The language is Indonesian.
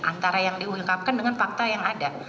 antara yang diungkapkan dengan fakta yang ada